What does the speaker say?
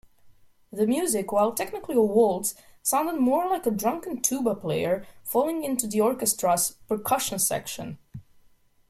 The music, while technically a waltz, sounded more like a drunken tuba player falling into the orchestra's percussion section.